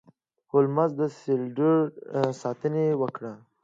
هولمز د لیسټرډ ستاینه وکړه.